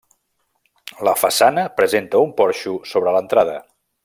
La façana presenta un porxo sobre l'entrada.